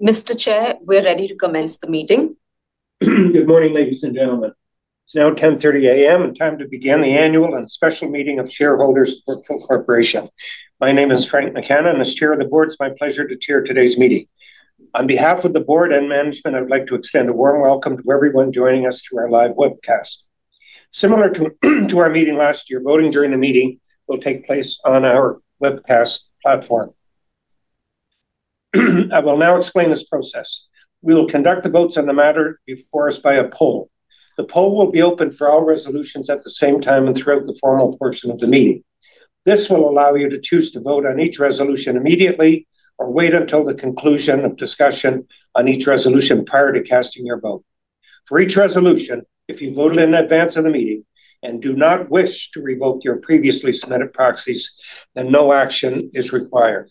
Mr. Chair, we're ready to commence the meeting. Good morning, ladies and gentlemen. It's now 10:30 A.M. and time to begin the annual and special meeting of shareholders of Brookfield Corporation. My name is Frank McKenna, and as Chair of the Board, it's my pleasure to chair today's meeting. On behalf of the board and management, I would like to extend a warm welcome to everyone joining us through our live webcast. Similar to our meeting last year, voting during the meeting will take place on our webcast platform. I will now explain this process. We will conduct the votes on the matter before us by a poll. The poll will be open for all resolutions at the same time and throughout the formal portion of the meeting. This will allow you to choose to vote on each resolution immediately or wait until the conclusion of discussion on each resolution prior to casting your vote. For each resolution, if you voted in advance of the meeting and do not wish to revoke your previously submitted proxies, no action is required.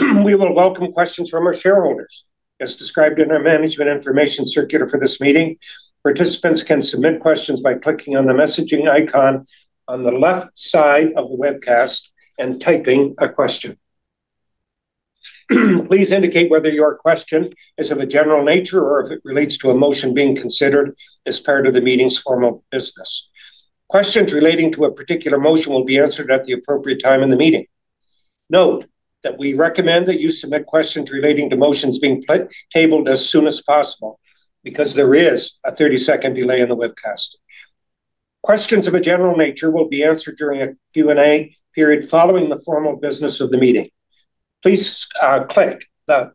We will welcome questions from our shareholders. As described in our management information circular for this meeting, participants can submit questions by clicking on the messaging icon on the left side of the webcast and typing a question. Please indicate whether your question is of a general nature or if it relates to a motion being considered as part of the meeting's formal business. Questions relating to a particular motion will be answered at the appropriate time in the meeting. Note that we recommend that you submit questions relating to motions being tabled as soon as possible, because there is a 30-second delay in the webcast. Questions of a general nature will be answered during a Q&A period following the formal business of the meeting. Please click the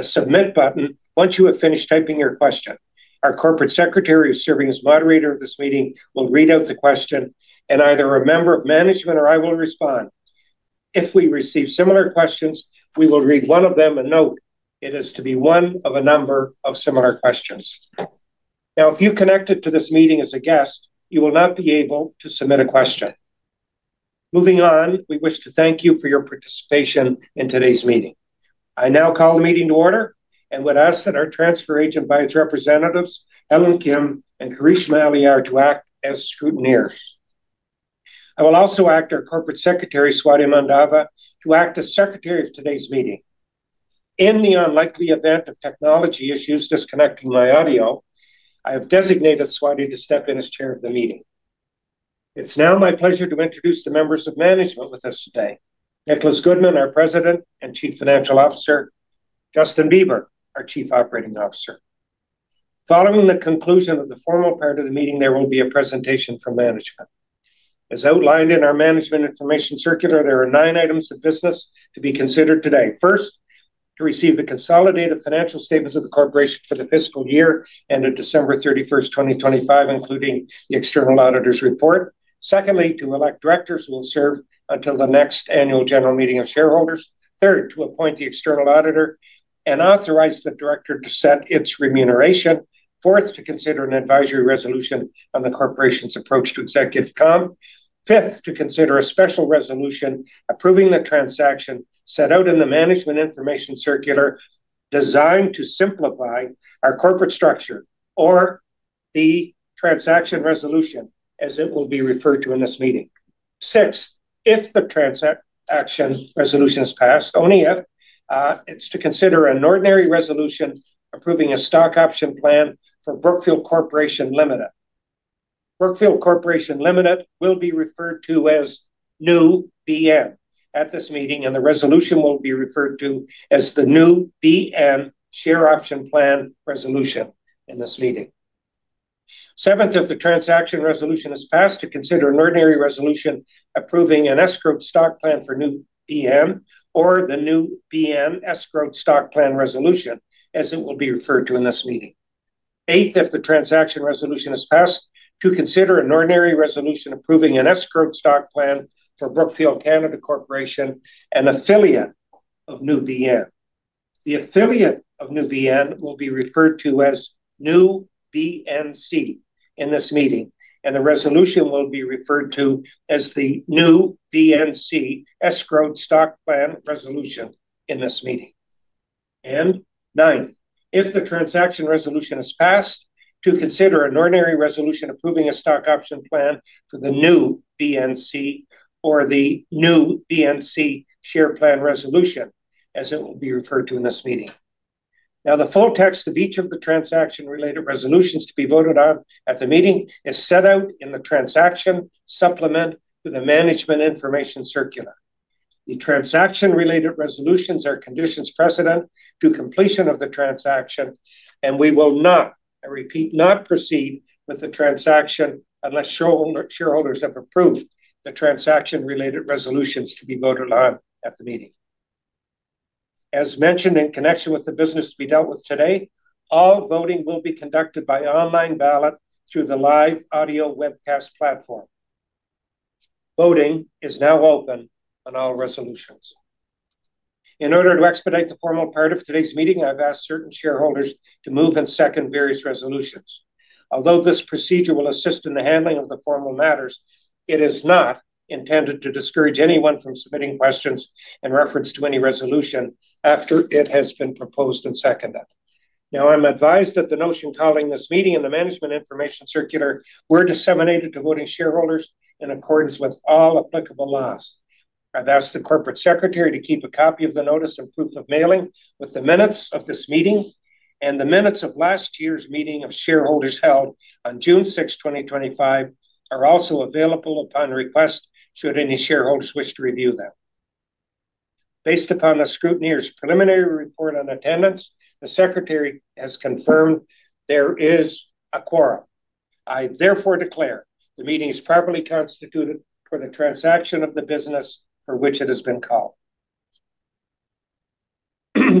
Submit button once you have finished typing your question. Our Corporate Secretary, who's serving as moderator of this meeting, will read out the question, and either a member of management or I will respond. If we receive similar questions, we will read one of them and note it is to be one of a number of similar questions. Now, if you connected to this meeting as a guest, you will not be able to submit a question. Moving on, we wish to thank you for your participation in today's meeting. I now call the meeting to order, and would ask that our transfer agent by its representatives, Helen Kim and Karishma Aliyar, to act as scrutineers. I will also ask our Corporate Secretary, Swati Mandava, to act as secretary of today's meeting. In the unlikely event of technology issues disconnecting my audio, I have designated Swati to step in as chair of the meeting. It's now my pleasure to introduce the members of management with us today. Nicholas Goodman, our President and Chief Financial Officer. Justin Beber, our Chief Operating Officer. Following the conclusion of the formal part of the meeting, there will be a presentation from management. As outlined in our management information circular, there are nine items of business to be considered today. First, to receive the consolidated financial statements of the corporation for the fiscal year ended December 31st, 2025, including the external auditor's report. Secondly, to elect directors who will serve until the next annual general meeting of shareholders. Third, to appoint the external auditor and authorize the director to set its remuneration. Fourth, to consider an advisory resolution on the corporation's approach to executive comp. Fifth, to consider a special resolution approving the transaction set out in the management information circular designed to simplify our corporate structure, or the transaction resolution, as it will be referred to in this meeting. Sixth, if the transaction resolution is passed, only if, it's to consider an ordinary resolution approving a stock option plan for Brookfield Corporation Limited. Brookfield Corporation Limited will be referred to as New BN at this meeting, and the resolution will be referred to as the New BN Share Option Plan Resolution in this meeting. Seventh, if the transaction resolution is passed, to consider an ordinary resolution approving an escrowed stock plan for New BN, or the New BN Escrowed Stock Plan Resolution, as it will be referred to in this meeting. Eighth, if the transaction resolution is passed, to consider an ordinary resolution approving an escrowed stock plan for Brookfield Canada Corporation, an affiliate of New BN. The affiliate of New BN will be referred to as New BNC in this meeting, and the resolution will be referred to as the New BNC Escrowed Stock Plan Resolution in this meeting. Ninth, if the transaction resolution is passed, to consider an ordinary resolution approving a stock option plan for the New BNC or the New BNC Share Plan Resolution, as it will be referred to in this meeting. The full text of each of the transaction-related resolutions to be voted on at the meeting is set out in the transaction supplement to the management information circular. The transaction-related resolutions are conditions precedent to completion of the transaction, we will not, I repeat, not proceed with the transaction unless shareholders have approved the transaction-related resolutions to be voted on at the meeting. As mentioned in connection with the business to be dealt with today, all voting will be conducted by online ballot through the live audio webcast platform. Voting is now open on all resolutions. In order to expedite the formal part of today's meeting, I've asked certain shareholders to move and second various resolutions. Although this procedure will assist in the handling of the formal matters, it is not intended to discourage anyone from submitting questions in reference to any resolution after it has been proposed and seconded. I'm advised that the notion calling this meeting and the management information circular were disseminated to voting shareholders in accordance with all applicable laws. I've asked the Corporate Secretary to keep a copy of the notice and proof of mailing with the minutes of this meeting, and the minutes of last year's meeting of shareholders held on June 6, 2025, are also available upon request should any shareholders wish to review them. Based upon the scrutineer's preliminary report on attendance, the Secretary has confirmed there is a quorum. I therefore declare the meeting's properly constituted for the transaction of the business for which it has been called.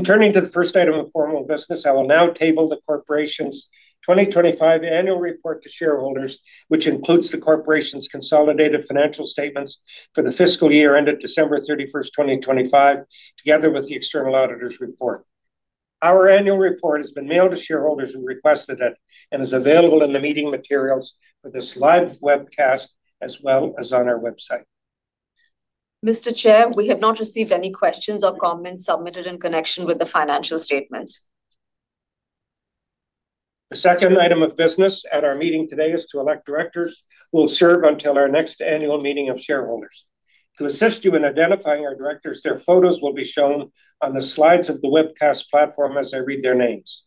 Turning to the first item of formal business, I will now table the Corporation's 2025 annual report to shareholders, which includes the Corporation's consolidated financial statements for the fiscal year ended December 31st, 2025, together with the external auditor's report. Our annual report has been mailed to shareholders who requested it and is available in the meeting materials for this live webcast, as well as on our website. Mr. Chair, we have not received any questions or comments submitted in connection with the financial statements. The second item of business at our meeting today is to elect directors who will serve until our next annual meeting of shareholders. To assist you in identifying our directors, their photos will be shown on the slides of the webcast platform as I read their names.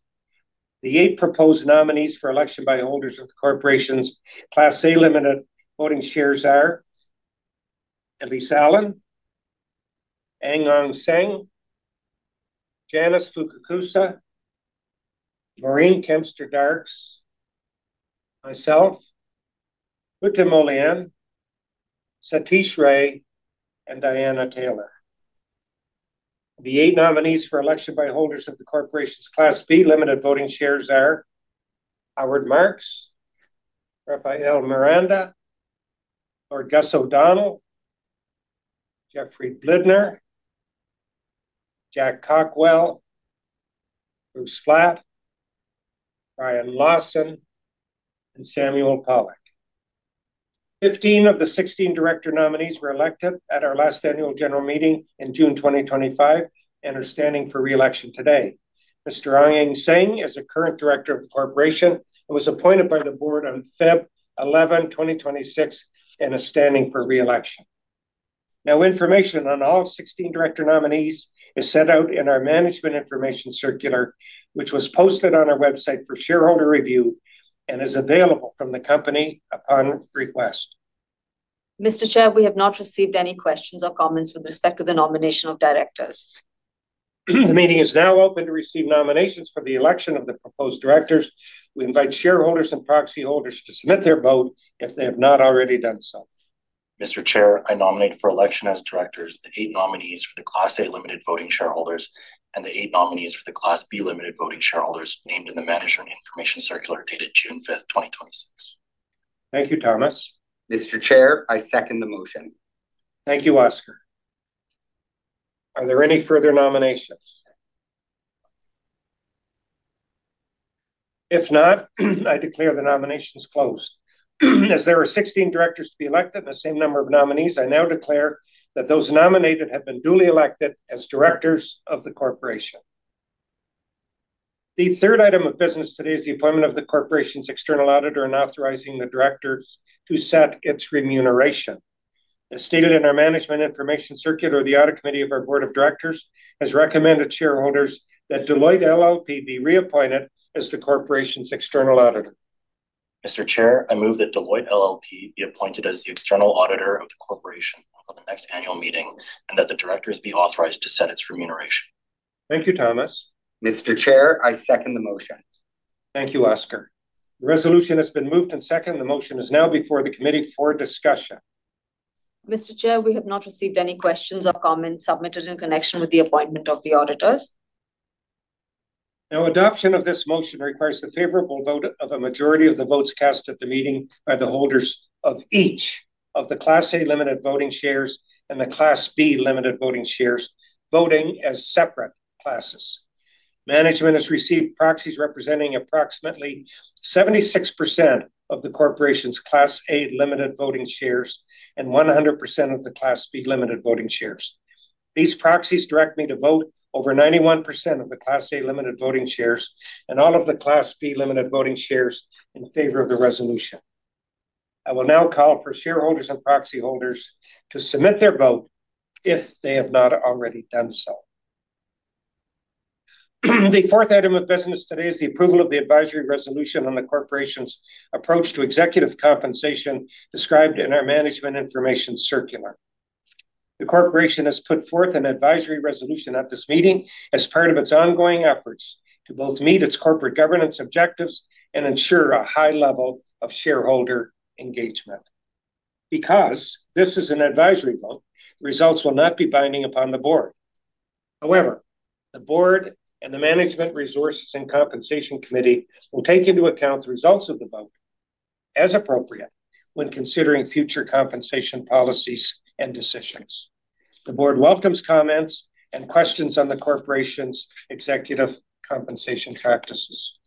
The eight proposed nominees for election by holders of the Corporation's Class A limited voting shares are Elyse Allan, Ang Eng Seng, Janice Fukakusa, Maureen Kempston Darkes, myself, Hutham Olayan, Satish Rai, and Diana Taylor. The eight nominees for election by holders of the Corporation's Class B limited voting shares are Howard Marks, Rafael Miranda, Lord Gus O'Donnell, Jeffrey Blidner, Jack Cockwell, Bruce Flatt, Brian Lawson, and Sam Pollock. 15 of the 16 director nominees were elected at our last annual general meeting in June 2025 and are standing for re-election today. Mr. Ang Eng Seng is a current Director of the Corporation and was appointed by the Board on February 11, 2026, and is standing for re-election. Information on all 16 director nominees is set out in our management information circular, which was posted on our website for shareholder review and is available from the company upon request. Mr. Chair, we have not received any questions or comments with respect to the nomination of directors. The meeting is now open to receive nominations for the election of the proposed directors. We invite shareholders and proxy holders to submit their vote if they have not already done so. Mr. Chair, I nominate for election as directors the eight nominees for the Class A limited voting shareholders and the eight nominees for the Class B limited voting shareholders named in the management information circular dated June 5th, 2026. Thank you, Thomas. Mr. Chair, I second the motion. Thank you, Oscar. Are there any further nominations? If not, I declare the nominations closed. As there are 16 directors to be elected and the same number of nominees, I now declare that those nominated have been duly elected as directors of the corporation. The third item of business today is the appointment of the corporation's external auditor and authorizing the directors to set its remuneration. As stated in our management information circular, the audit committee of our board of directors has recommended to shareholders that Deloitte LLP be reappointed as the corporation's external auditor. Mr. Chair, I move that Deloitte LLP be appointed as the external auditor of the corporation for the next annual meeting, and that the directors be authorized to set its remuneration. Thank you, Thomas. Mr. Chair, I second the motion. Thank you, Oscar. The resolution has been moved and seconded. The motion is now before the committee for discussion. Mr. Chair, we have not received any questions or comments submitted in connection with the appointment of the auditors. Adoption of this motion requires the favorable vote of a majority of the votes cast at the meeting by the holders of each of the Class A limited voting shares and the Class B limited voting shares, voting as separate classes. Management has received proxies representing approximately 76% of the corporation's Class A limited voting shares and 100% of the Class B limited voting shares. These proxies direct me to vote over 91% of the Class A limited voting shares and all of the Class B limited voting shares in favor of the resolution. I will now call for shareholders and proxy holders to submit their vote if they have not already done so. The fourth item of business today is the approval of the advisory resolution on the corporation's approach to executive compensation described in our management information circular. The corporation has put forth an advisory resolution at this meeting as part of its ongoing efforts to both meet its corporate governance objectives and ensure a high level of shareholder engagement. This is an advisory vote, results will not be binding upon the board. The Board and the Management Resources and Compensation Committee will take into account the results of the vote, as appropriate, when considering future compensation policies and decisions. The board welcomes comments and questions on the corporation's executive compensation practices.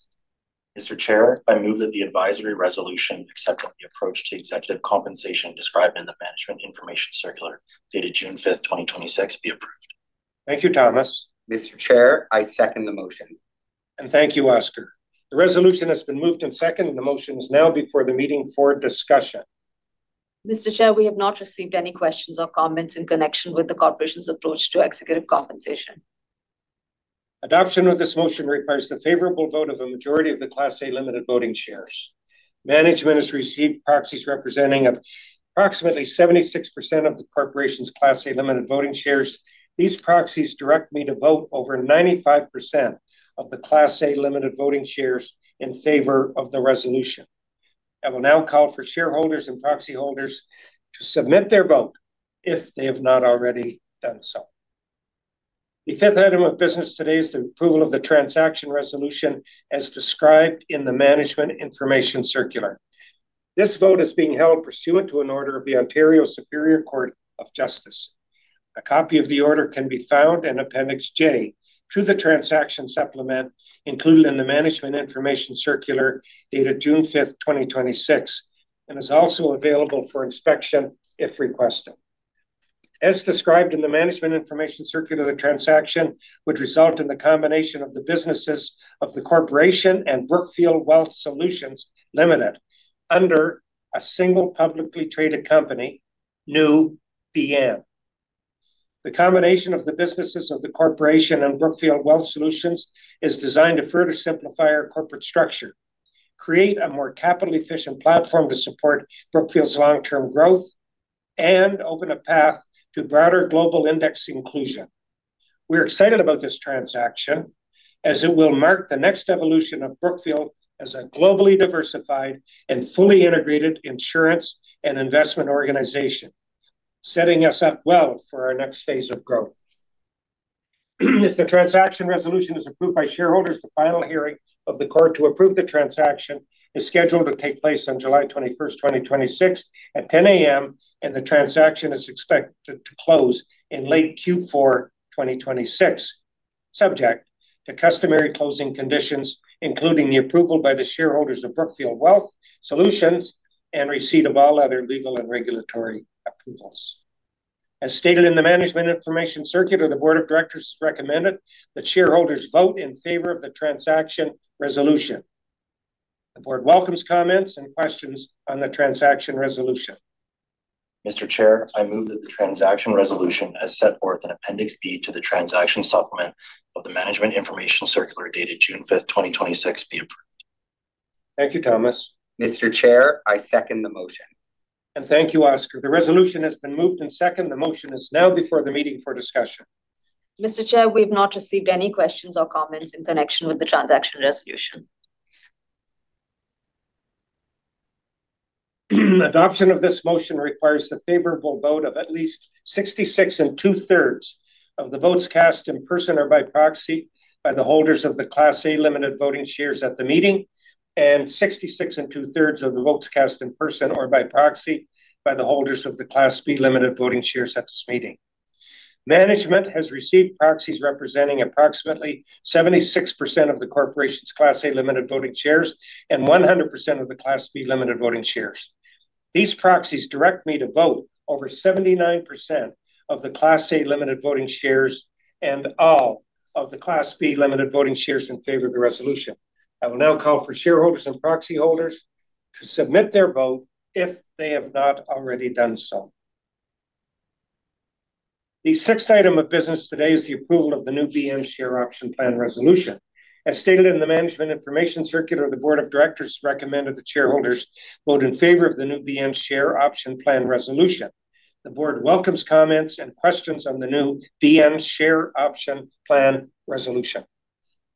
Mr. Chair, I move that the advisory resolution, except on the approach to executive compensation described in the Management Information Circular dated June 5th, 2026, be approved. Thank you, Thomas. Mr. Chair, I second the motion. Thank you, Oscar. The resolution has been moved and seconded. The motion is now before the meeting for discussion. Mr. Chair, we have not received any questions or comments in connection with the Corporation's approach to executive compensation. Adoption of this motion requires the favorable vote of a majority of the Class A limited voting shares. Management has received proxies representing approximately 76% of the Corporation's Class A limited voting shares. These proxies direct me to vote over 95% of the Class A limited voting shares in favor of the resolution. I will now call for shareholders and proxy holders to submit their vote if they have not already done so. The fifth item of business today is the approval of the transaction resolution as described in the Management Information Circular. This vote is being held pursuant to an order of the Ontario Superior Court of Justice. A copy of the order can be found in Appendix J to the transaction supplement included in the Management Information Circular dated June 5th, 2026, and is also available for inspection if requested. As described in the Management Information Circular, the transaction would result in the combination of the businesses of the corporation and Brookfield Wealth Solutions Ltd. under a single publicly traded company, New BN. The combination of the businesses of the corporation and Brookfield Wealth Solutions is designed to further simplify our corporate structure, create a more capital-efficient platform to support Brookfield's long-term growth, and open a path to broader global index inclusion. We're excited about this transaction as it will mark the next evolution of Brookfield as a globally diversified and fully integrated insurance and investment organization, setting us up well for our next phase of growth. If the transaction resolution is approved by shareholders, the final hearing of the court to approve the transaction is scheduled to take place on July 21st, 2026, at 10:00 A.M. The transaction is expected to close in late Q4 2026, subject to customary closing conditions, including the approval by the shareholders of Brookfield Wealth Solutions and receipt of all other legal and regulatory approvals. As stated in the Management Information Circular, the board of directors has recommended that shareholders vote in favor of the transaction resolution. The Board welcomes comments and questions on the transaction resolution. Mr. Chair, I move that the transaction resolution, as set forth in Appendix B to the transaction supplement of the Management Information Circular dated June 5th, 2026, be approved. Thank you, Thomas. Mr. Chair, I second the motion. Thank you, Oscar. The resolution has been moved and seconded. The motion is now before the meeting for discussion. Mr. Chair, we have not received any questions or comments in connection with the transaction resolution. Adoption of this motion requires the favorable vote of at least 66 and two-thirds of the votes cast in person or by proxy by the holders of the Class A limited voting shares at the meeting and 66 and two-thirds of the votes cast in person or by proxy by the holders of the Class B limited voting shares at this meeting. Management has received proxies representing approximately 76% of the corporation's Class A limited voting shares and 100% of the Class B limited voting shares. These proxies direct me to vote over 79% of the Class A limited voting shares and all of the Class B limited voting shares in favor of the resolution. I will now call for shareholders and proxy holders to submit their vote if they have not already done so. The sixth item of business today is the approval of the New BN share option plan resolution. As stated in the Management Information Circular, the board of directors recommended that shareholders vote in favor of the New BN share option plan resolution. The board welcomes comments and questions on the New BN share option plan resolution.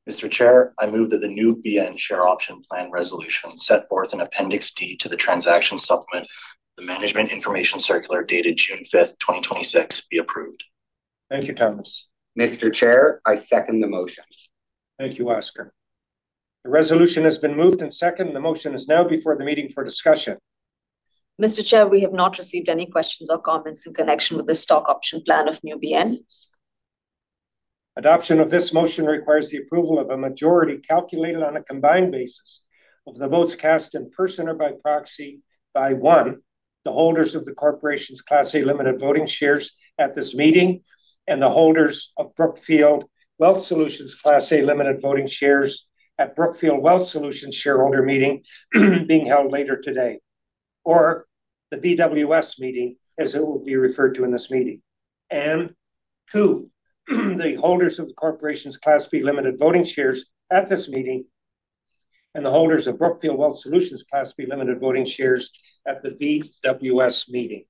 Mr. Chair, I move that the New BN share option plan resolution set forth in Appendix D to the transaction supplement, the Management Information Circular dated June 5th, 2026, be approved. Thank you, Thomas. Mr. Chair, I second the motion. Thank you, Oscar. The resolution has been moved and seconded. The motion is now before the meeting for discussion. Mr. Chair, we have not received any questions or comments in connection with the stock option plan of New BN. Adoption of this motion requires the approval of a majority calculated on a combined basis of the votes cast in person or by proxy by, one, the holders of the corporation's Class A limited voting shares at this meeting and the holders of Brookfield Wealth Solutions Class A limited voting shares at Brookfield Wealth Solutions shareholder meeting being held later today. The BWS meeting, as it will be referred to in this meeting. Two, the holders of the corporation's Class B limited voting shares at this meeting and the holders of Brookfield Wealth Solutions' Class B limited voting shares at the BWS meeting.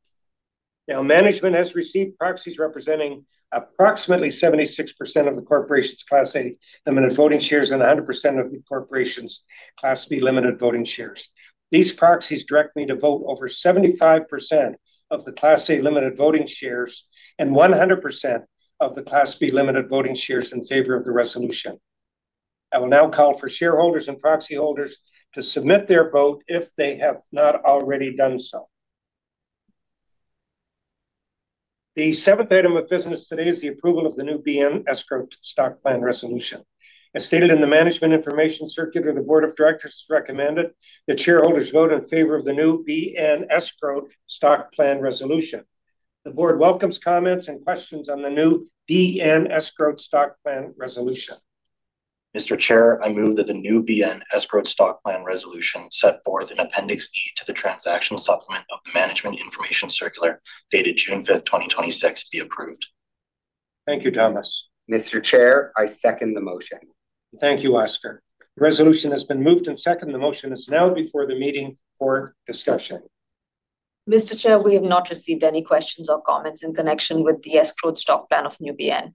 Management has received proxies representing approximately 76% of the corporation's Class A limited voting shares and 100% of the corporation's Class B limited voting shares. These proxies direct me to vote over 75% of the Class A limited voting shares and 100% of the Class B limited voting shares in favor of the resolution. I will now call for shareholders and proxy holders to submit their vote if they have not already done so. The seventh item of business today is the approval of the New BN Escrowed Stock Plan resolution. As stated in the management information circular, the board of directors has recommended that shareholders vote in favor of the New BN Escrowed Stock Plan resolution. The board welcomes comments and questions on the New BN Escrowed Stock Plan resolution. Mr. Chair, I move that the New BN Escrowed Stock Plan resolution set forth in Appendix E to the transaction supplement of the management information circular, dated June 5th, 2026, be approved. Thank you, Thomas. Mr. Chair, I second the motion. Thank you, Oscar. The resolution has been moved and seconded. The motion is now before the meeting for discussion. Mr. Chair, we have not received any questions or comments in connection with the escrowed stock plan of New BN.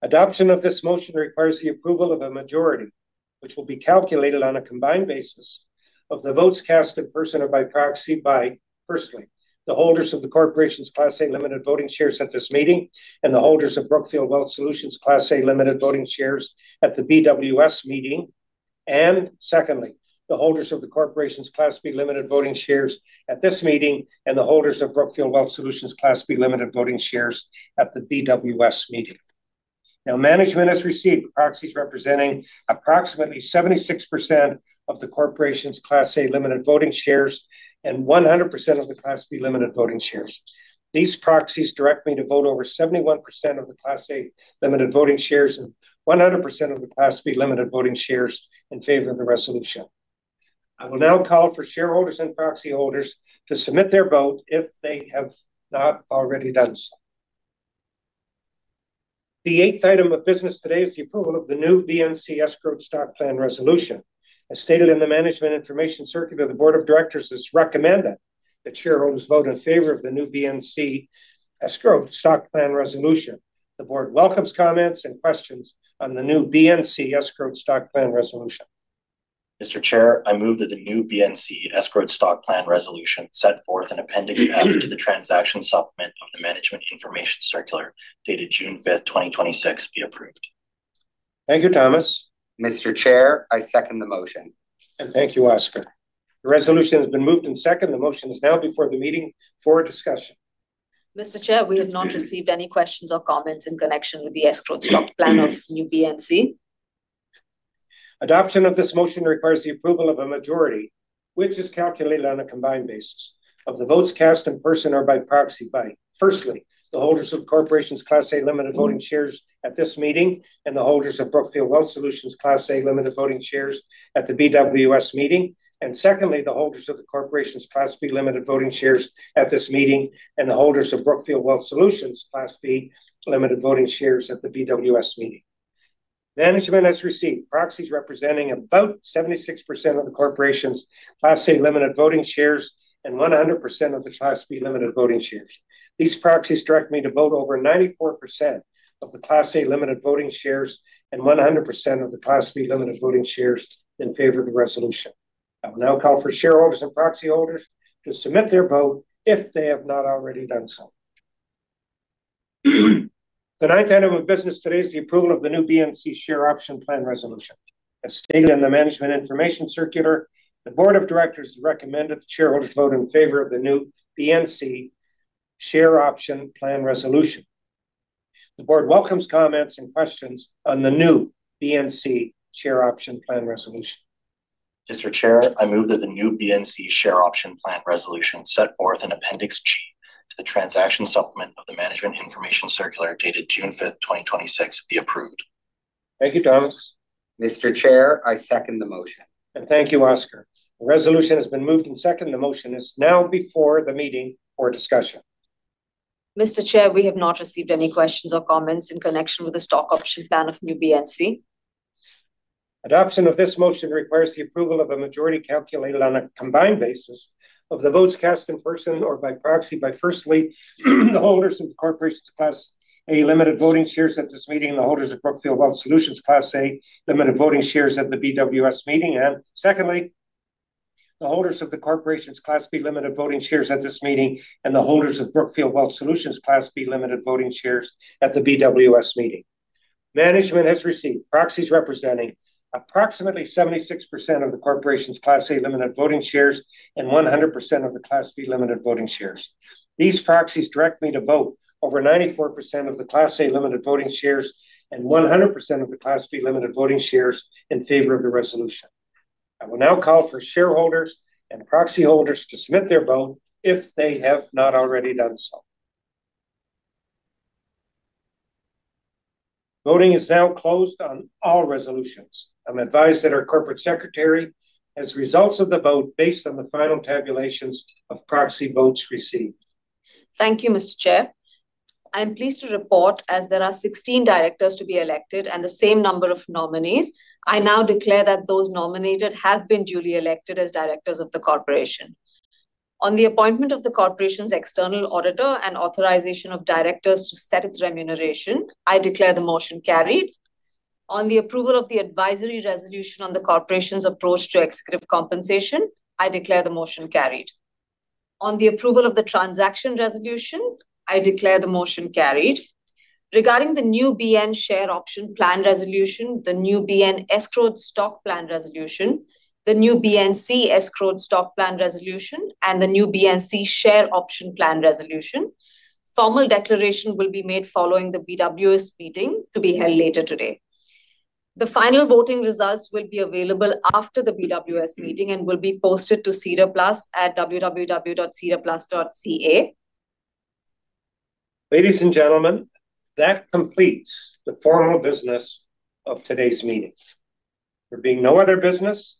Adoption of this motion requires the approval of a majority, which will be calculated on a combined basis of the votes cast in person or by proxy by, firstly, the holders of the corporation's Class A limited voting shares at this meeting and the holders of Brookfield Wealth Solutions Class A limited voting shares at the BWS meeting. Secondly, the holders of the corporation's Class B limited voting shares at this meeting and the holders of Brookfield Wealth Solutions Class B limited voting shares at the BWS meeting. Now, management has received proxies representing approximately 76% of the corporation's Class A limited voting shares and 100% of the Class B limited voting shares. These proxies direct me to vote over 71% of the Class A limited voting shares and 100% of the Class B limited voting shares in favor of the resolution. I will now call for shareholders and proxy holders to submit their vote if they have not already done so. The eighth item of business today is the approval of the New BNC Escrowed Stock Plan resolution. As stated in the management information circular, the board of directors has recommended that shareholders vote in favor of the New BNC Escrowed Stock Plan resolution. The board welcomes comments and questions on the New BNC Escrowed Stock Plan resolution. Mr. Chair, I move that the New BNC Escrowed Stock Plan resolution set forth in Appendix F to the transaction supplement of the management information circular, dated June 5th, 2026, be approved. Thank you, Thomas. Mr. Chair, I second the motion. Thank you, Oscar. The resolution has been moved and seconded. The motion is now before the meeting for discussion. Mr. Chair, we have not received any questions or comments in connection with the escrowed stock plan of New BNC. Adoption of this motion requires the approval of a majority, which is calculated on a combined basis of the votes cast in person or by proxy by, firstly, the holders of the corporation's Class A limited voting shares at this meeting and the holders of Brookfield Wealth Solutions Class A limited voting shares at the BWS meeting. Secondly, the holders of the corporation's Class B limited voting shares at this meeting and the holders of Brookfield Wealth Solutions Class B limited voting shares at the BWS meeting. Management has received proxies representing about 76% of the corporation's Class A limited voting shares and 100% of the Class B limited voting shares. These proxies direct me to vote over 94% of the Class A limited voting shares and 100% of the Class B limited voting shares in favor of the resolution. I will now call for shareholders and proxy holders to submit their vote if they have not already done so. The ninth item of business today is the approval of the new BNC Share Option Plan resolution. As stated in the management information circular, the board of directors has recommended that shareholders vote in favor of the new BNC Share Option Plan resolution. The board welcomes comments and questions on the new BNC Share Option Plan resolution. Mr. Chair, I move that the new BNC Share Option Plan resolution set forth in Appendix G to the transaction supplement of the management information circular, dated June 5th, 2026, be approved. Thank you, Thomas. Mr. Chair, I second the motion. Thank you, Oscar. The resolution has been moved and seconded. The motion is now before the meeting for discussion. Mr. Chair, we have not received any questions or comments in connection with the stock option plan of New BNC. Adoption of this motion requires the approval of a majority calculated on a combined basis of the votes cast in person or by proxy by, firstly, the holders of the corporation's Class A limited voting shares at this meeting and the holders of Brookfield Wealth Solutions' Class A limited voting shares at the BWS meeting. Secondly, the holders of the corporation's Class B limited voting shares at this meeting and the holders of Brookfield Wealth Solutions' Class B limited voting shares at the BWS meeting. Management has received proxies representing approximately 76% of the corporation's Class A limited voting shares and 100% of the Class B limited voting shares. These proxies direct me to vote over 94% of the Class A limited voting shares and 100% of the Class B limited voting shares in favor of the resolution. I will now call for shareholders and proxy holders to submit their vote if they have not already done so. Voting is now closed on all resolutions. I'm advised that our Corporate Secretary has results of the vote based on the final tabulations of proxy votes received. Thank you, Mr. Chair. I am pleased to report, as there are 16 directors to be elected and the same number of nominees, I now declare that those nominated have been duly elected as directors of the corporation. On the appointment of the corporation's external auditor and authorization of directors to set its remuneration, I declare the motion carried. On the approval of the advisory resolution on the corporation's approach to executive compensation, I declare the motion carried. On the approval of the transaction resolution, I declare the motion carried. Regarding the New BN share option plan resolution, the New BN escrowed stock plan resolution, the New BNC escrowed stock plan resolution, and the New BNC share option plan resolution, formal declaration will be made following the BWS meeting to be held later today. The final voting results will be available after the BWS meeting and will be posted to SEDAR+ at www.sedarplus.ca. Ladies and gentlemen, that completes the formal business of today's meeting. There being no other business,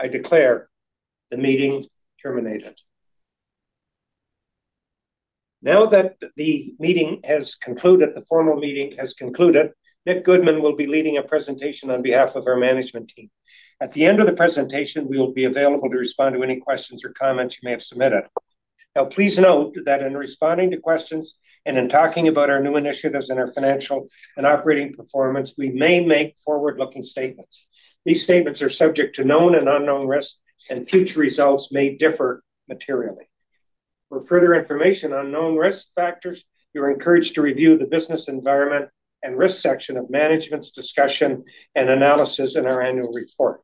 I declare the meeting terminated. Now that the formal meeting has concluded, Nicholas Goodman will be leading a presentation on behalf of our management team. At the end of the presentation, we will be available to respond to any questions or comments you may have submitted. Now, please note that in responding to questions and in talking about our new initiatives and our financial and operating performance, we may make forward-looking statements. These statements are subject to known and unknown risks, and future results may differ materially. For further information on known risk factors, you're encouraged to review the business environment and risk section of management's discussion and analysis in our annual report.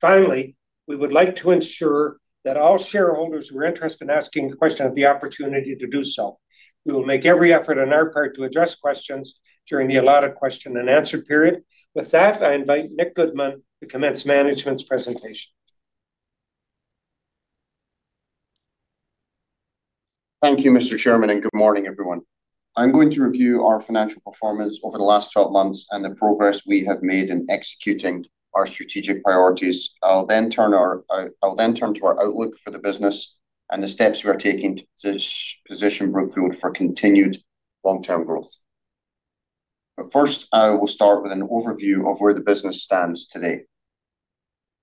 Finally, we would like to ensure that all shareholders who are interested in asking a question have the opportunity to do so. We will make every effort on our part to address questions during the allotted question and answer period. With that, I invite Nicholas Goodman to commence management's presentation. Thank you, Mr. Chairman, and good morning, everyone. I'm going to review our financial performance over the last 12 months and the progress we have made in executing our strategic priorities. I'll turn to our outlook for the business and the steps we are taking to position Brookfield for continued long-term growth. First, I will start with an overview of where the business stands today.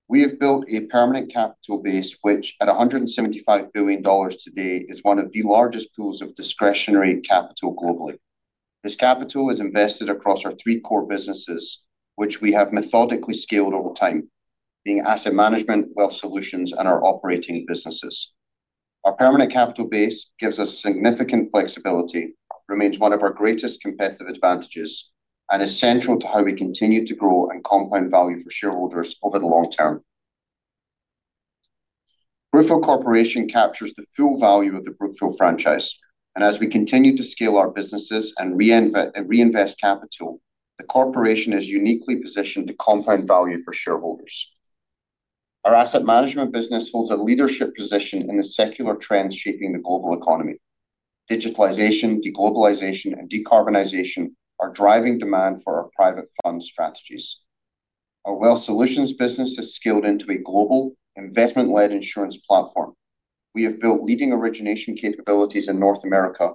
We have built a permanent capital base, which at $175 billion today is one of the largest pools of discretionary capital globally. This capital is invested across our three core businesses, which we have methodically scaled over time, being asset management, wealth solutions, and our operating businesses. Our permanent capital base gives us significant flexibility, remains one of our greatest competitive advantages, and is central to how we continue to grow and compound value for shareholders over the long term. Brookfield Corporation captures the full value of the Brookfield franchise. As we continue to scale our businesses and reinvest capital, the corporation is uniquely positioned to compound value for shareholders. Our asset management business holds a leadership position in the secular trends shaping the global economy. Digitalization, de-globalization, and decarbonization are driving demand for our private fund strategies. Our wealth solutions business has scaled into a global investment-led insurance platform. We have built leading origination capabilities in North America,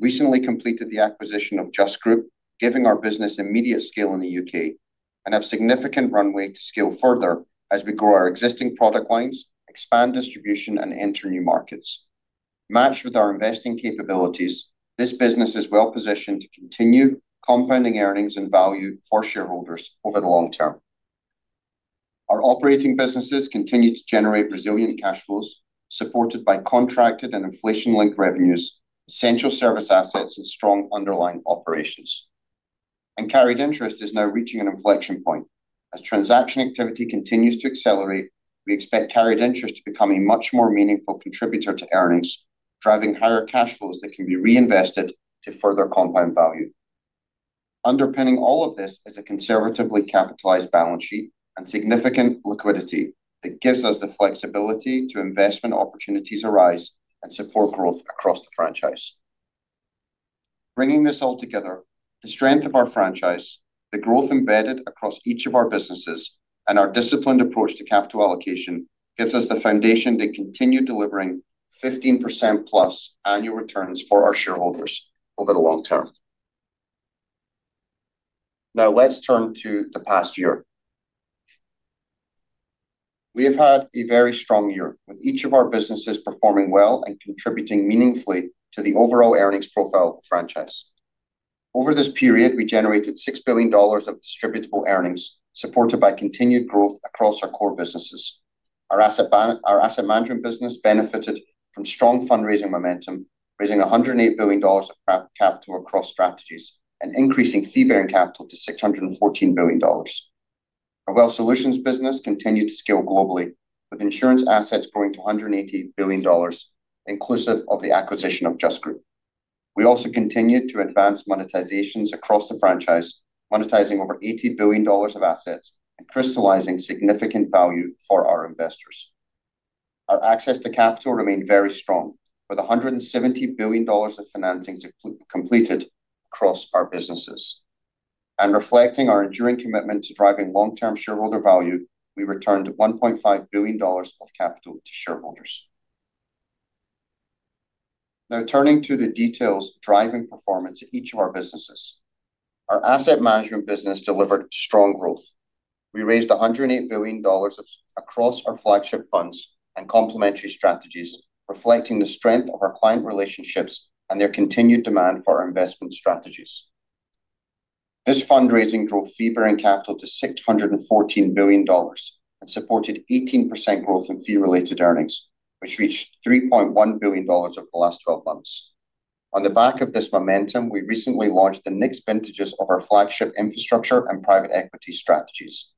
recently completed the acquisition of Just Group, giving our business immediate scale in the U.K., and have significant runway to scale further as we grow our existing product lines, expand distribution, and enter new markets. Matched with our investing capabilities, this business is well positioned to continue compounding earnings and value for shareholders over the long term. Our operating businesses continue to generate resilient cash flows, supported by contracted and inflation-linked revenues, essential service assets, and strong underlying operations. Carried interest is now reaching an inflection point. As transaction activity continues to accelerate, we expect carried interest to become a much more meaningful contributor to earnings, driving higher cash flows that can be reinvested to further compound value. Underpinning all of this is a conservatively capitalized balance sheet and significant liquidity that gives us the flexibility to investment opportunities arise, and support growth across the franchise. Bringing this all together, the strength of our franchise, the growth embedded across each of our businesses, and our disciplined approach to capital allocation gives us the foundation to continue delivering 15%+ annual returns for our shareholders over the long term. Let's turn to the past year. We have had a very strong year, with each of our businesses performing well and contributing meaningfully to the overall earnings profile of the franchise. Over this period, we generated $6 billion of distributable earnings, supported by continued growth across our core businesses. Our asset management business benefited from strong fundraising momentum, raising $108 billion of capital across strategies, and increasing fee-bearing capital to $614 billion. Our wealth solutions business continued to scale globally, with insurance assets growing to $180 billion, inclusive of the acquisition of Just Group. We also continued to advance monetizations across the franchise, monetizing over $80 billion of assets, and crystallizing significant value for our investors. Our access to capital remained very strong, with $170 billion of financings completed across our businesses. Reflecting our enduring commitment to driving long-term shareholder value, we returned $1.5 billion of capital to shareholders. Turning to the details driving performance at each of our businesses. Our asset management business delivered strong growth. We raised $108 billion across our flagship funds and complementary strategies, reflecting the strength of our client relationships and their continued demand for our investment strategies. This fundraising drove fee-bearing capital to $614 billion and supported 18% growth in fee-related earnings, which reached $3.1 billion over the last 12 months. On the back of this momentum, we recently launched the next vintages of our flagship infrastructure and private equity strategies.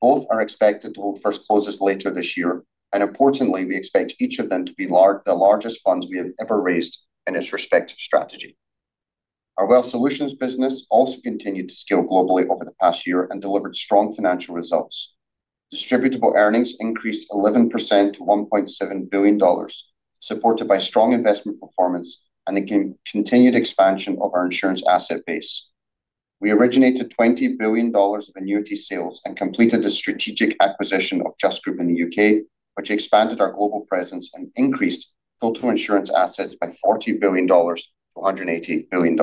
Both are expected to hold first closes later this year, and importantly, we expect each of them to be the largest funds we have ever raised in its respective strategy. Our Wealth Solutions business also continued to scale globally over the past year and delivered strong financial results. Distributable earnings increased 11% to $1.7 billion, supported by strong investment performance and a continued expansion of our insurance asset base. We originated $20 billion of annuity sales and completed the strategic acquisition of Just Group in the U.K., which expanded our global presence and increased total insurance assets by $40 billion to $180 billion.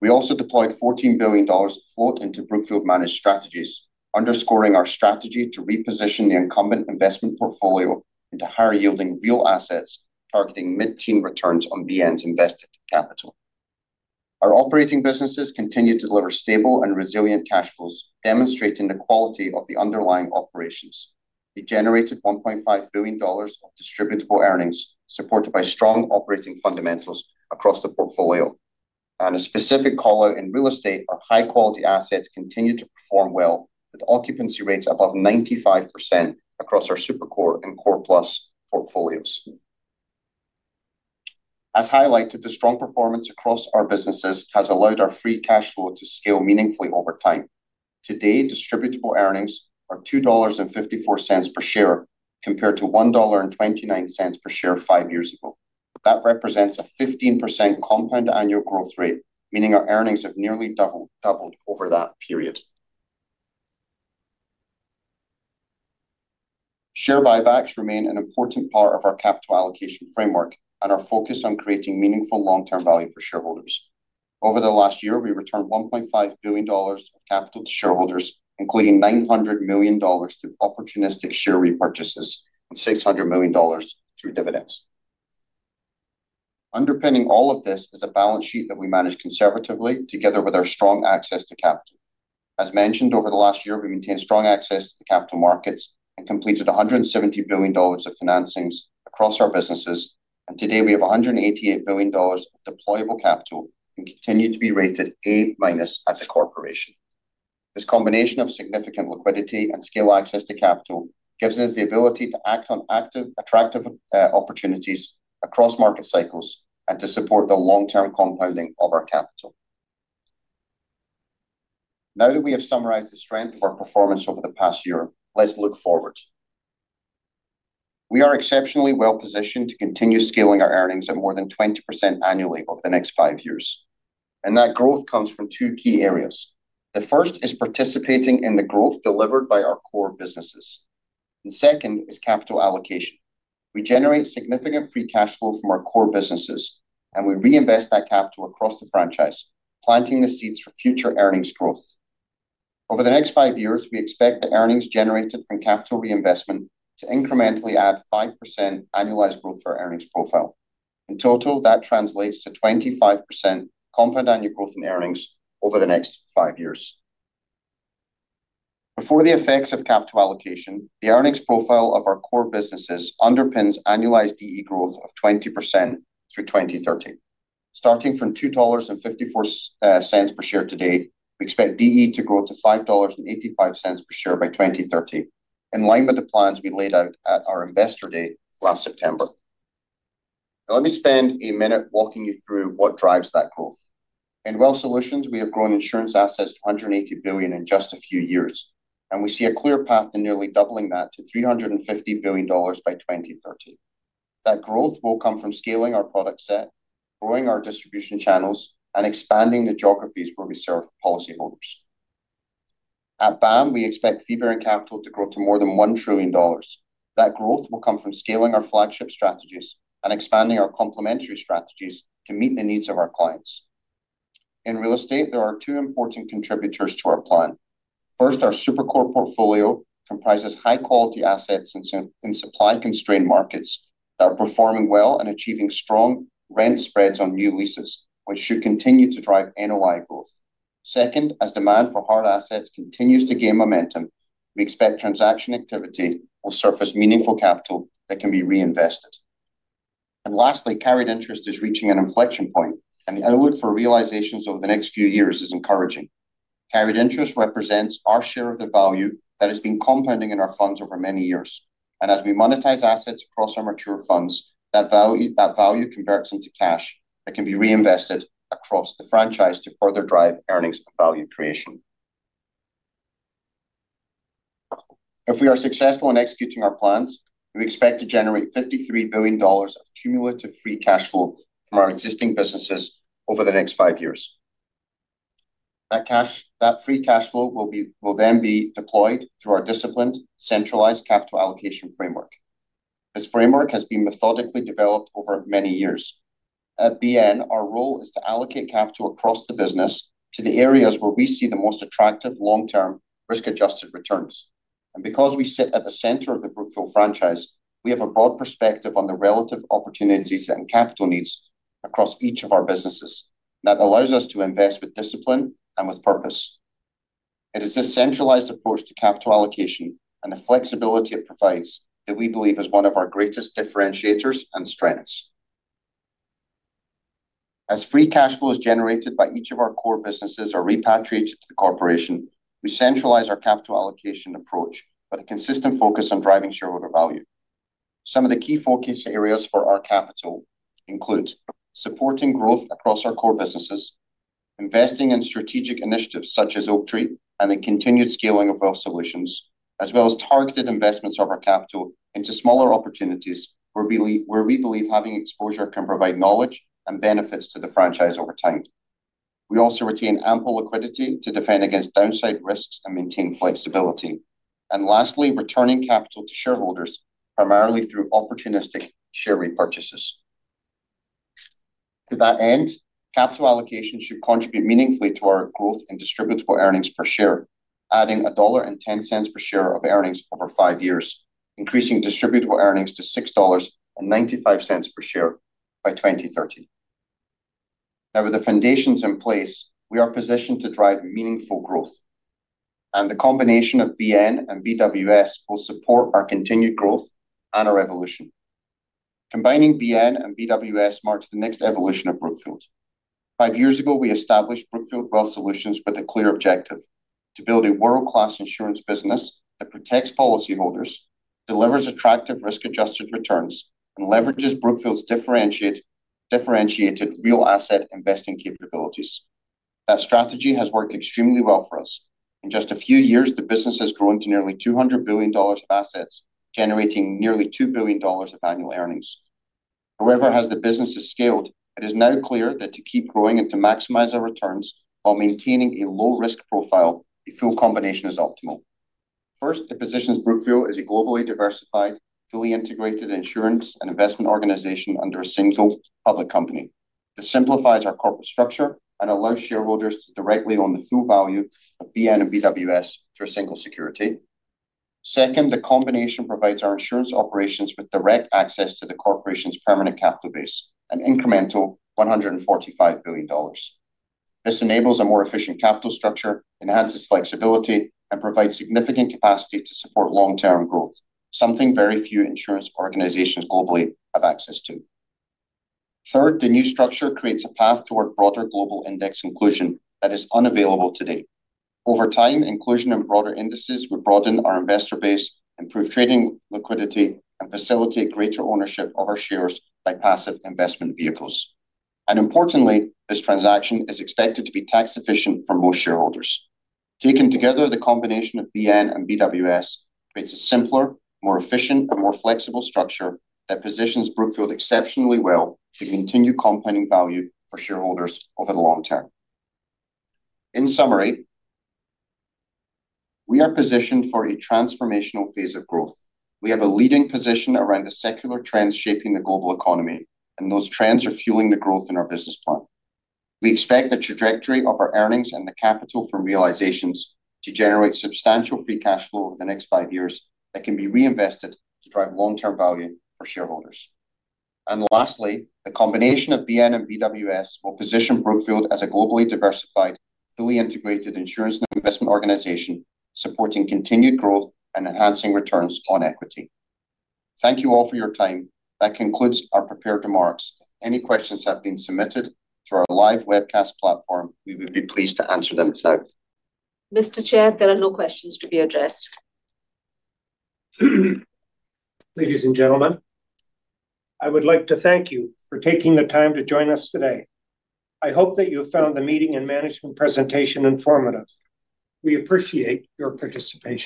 We also deployed $14 billion of float into Brookfield Managed Strategies, underscoring our strategy to reposition the incumbent investment portfolio into higher-yielding real assets targeting mid-teen returns on BN's invested capital. Our operating businesses continued to deliver stable and resilient cash flows, demonstrating the quality of the underlying operations. We generated $1.5 billion of distributable earnings, supported by strong operating fundamentals across the portfolio. On a specific call-out in real estate, our high-quality assets continued to perform well, with occupancy rates above 95% across our super core and core plus portfolios. As highlighted, the strong performance across our businesses has allowed our free cash flow to scale meaningfully over time. Today, distributable earnings are $2.54 per share, compared to $1.29 per share five years ago. That represents a 15% compound annual growth rate, meaning our earnings have nearly doubled over that period. Share buybacks remain an important part of our capital allocation framework and are focused on creating meaningful long-term value for shareholders. Over the last year, we returned $1.5 billion of capital to shareholders, including $900 million through opportunistic share repurchases and $600 million through dividends. Underpinning all of this is a balance sheet that we manage conservatively together with our strong access to capital. As mentioned, over the last year, we maintained strong access to the capital markets and completed $170 billion of financings across our businesses. Today, we have $188 billion of deployable capital and continue to be rated A-minus at the corporation. This combination of significant liquidity and scale access to capital gives us the ability to act on attractive opportunities across market cycles and to support the long-term compounding of our capital. Now that we have summarized the strength of our performance over the past year, let's look forward. We are exceptionally well-positioned to continue scaling our earnings at more than 20% annually over the next five years. That growth comes from two key areas. The first is participating in the growth delivered by our core businesses, and second is capital allocation. We generate significant free cash flow from our core businesses, and we reinvest that capital across the franchise, planting the seeds for future earnings growth. Over the next five years, we expect the earnings generated from capital reinvestment to incrementally add 5% annualized growth to our earnings profile. In total, that translates to 25% compound annual growth in earnings over the next five years. Before the effects of capital allocation, the earnings profile of our core businesses underpins annualized DE growth of 20% through 2030. Starting from $2.54 per share today, we expect DE to grow to $5.85 per share by 2030, in line with the plans we laid out at our investor day last September. Now, let me spend a minute walking you through what drives that growth. In Wealth Solutions, we have grown insurance assets to $180 billion in just a few years, and we see a clear path to nearly doubling that to $350 billion by 2030. That growth will come from scaling our product set, growing our distribution channels, and expanding the geographies where we serve policyholders. At BAM, we expect fee-bearing capital to grow to more than $1 trillion. That growth will come from scaling our flagship strategies and expanding our complementary strategies to meet the needs of our clients. In real estate, there are two important contributors to our plan. First, our super core portfolio comprises high-quality assets in supply-constrained markets that are performing well and achieving strong rent spreads on new leases, which should continue to drive NOI growth. Second, as demand for hard assets continues to gain momentum, we expect transaction activity will surface meaningful capital that can be reinvested. Lastly, carried interest is reaching an inflection point, and the outlook for realizations over the next few years is encouraging. Carried interest represents our share of the value that has been compounding in our funds over many years. As we monetize assets across our mature funds, that value converts into cash that can be reinvested across the franchise to further drive earnings and value creation. If we are successful in executing our plans, we expect to generate $53 billion of cumulative free cash flow from our existing businesses over the next five years. That free cash flow will then be deployed through our disciplined, centralized capital allocation framework. This framework has been methodically developed over many years. At BN, our role is to allocate capital across the business to the areas where we see the most attractive long-term risk-adjusted returns. Because we sit at the center of the Brookfield franchise, we have a broad perspective on the relative opportunities and capital needs across each of our businesses, and that allows us to invest with discipline and with purpose. It is this centralized approach to capital allocation and the flexibility it provides that we believe is one of our greatest differentiators and strengths. As free cash flow is generated by each of our core businesses or repatriated to the corporation, we centralize our capital allocation approach with a consistent focus on driving shareholder value. Some of the key focus areas for our capital include supporting growth across our core businesses, investing in strategic initiatives such as Oaktree, and the continued scaling of Wealth Solutions, as well as targeted investments of our capital into smaller opportunities where we believe having exposure can provide knowledge and benefits to the franchise over time. We also retain ample liquidity to defend against downside risks and maintain flexibility. Lastly, returning capital to shareholders, primarily through opportunistic share repurchases. To that end, capital allocation should contribute meaningfully to our growth and distributable earnings per share, adding $1.10 per share of earnings over five years, increasing distributable earnings to $6.95 per share by 2030. With the foundations in place, we are positioned to drive meaningful growth, the combination of BN and BWS will support our continued growth and our evolution. Combining BN and BWS marks the next evolution of Brookfield. Five years ago, we established Brookfield Wealth Solutions with a clear objective: to build a world-class insurance business that protects policyholders, delivers attractive risk-adjusted returns, and leverages Brookfield's differentiated real asset investing capabilities. That strategy has worked extremely well for us. In just a few years, the business has grown to nearly $200 billion of assets, generating nearly $2 billion of annual earnings. However, as the business has scaled, it is now clear that to keep growing and to maximize our returns while maintaining a low-risk profile, a full combination is optimal. First, it positions Brookfield as a globally diversified, fully integrated insurance and investment organization under a single public company. This simplifies our corporate structure and allows shareholders to directly own the full value of BN and BWS through a single security. Second, the combination provides our insurance operations with direct access to the corporation's permanent capital base, an incremental $145 billion. This enables a more efficient capital structure, enhances flexibility, and provides significant capacity to support long-term growth, something very few insurance organizations globally have access to. Third, the new structure creates a path toward broader global index inclusion that is unavailable today. Over time, inclusion in broader indices will broaden our investor base, improve trading liquidity, and facilitate greater ownership of our shares by passive investment vehicles. Importantly, this transaction is expected to be tax-efficient for most shareholders. Taken together, the combination of BN and BWS creates a simpler, more efficient, and more flexible structure that positions Brookfield exceptionally well to continue compounding value for shareholders over the long term. In summary, we are positioned for a transformational phase of growth. We have a leading position around the secular trends shaping the global economy, those trends are fueling the growth in our business plan. We expect the trajectory of our earnings and the capital from realizations to generate substantial free cash flow over the next five years that can be reinvested to drive long-term value for shareholders. Lastly, the combination of BN and BWS will position Brookfield as a globally diversified, fully integrated insurance and investment organization, supporting continued growth and enhancing returns on equity. Thank you all for your time. That concludes our prepared remarks. Any questions that have been submitted through our live webcast platform, we would be pleased to answer them now. Mr. Chair, there are no questions to be addressed. Ladies and gentlemen, I would like to thank you for taking the time to join us today. I hope that you have found the meeting and management presentation informative. We appreciate your participation.